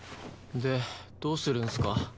でどうするんすか？